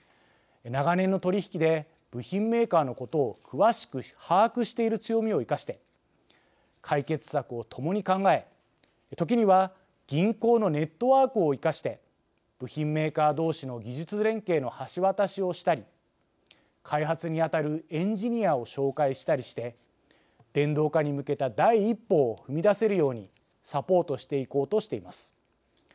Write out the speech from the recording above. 長年の取引で部品メーカーのことを詳しく把握している強みを生かして、解決策をともに考え時には銀行のネットワークを生かして部品メーカーどうしの技術連携の橋渡しをしたり開発にあたるエンジニアを紹介したりして電動化に向けた第一歩を踏み出せるようにサポートしていこうとしています。